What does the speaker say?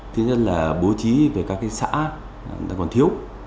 thứ nhất là bố trí về các xã còn thiếu